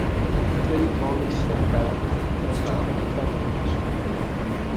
Três homens sentados em frente a computadores.